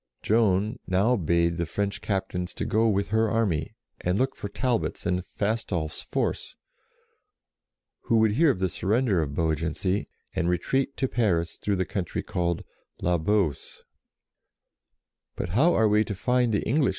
Joan now bade the French captains go with her army, and look for Talbot's and Fastolf's force, who would hear of the surrender of Beaugency, and retreat to Paris through the country called La Beauce. "But how are we to find the English?"